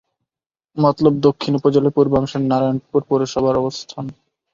মতলব দক্ষিণ উপজেলার পূর্বাংশে নারায়ণপুর পৌরসভার অবস্থান।